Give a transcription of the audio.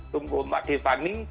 tubuh di paning